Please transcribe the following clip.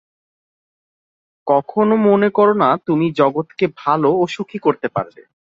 কখনও মনে কর না, তুমি জগৎকে ভাল ও সুখী করতে পার।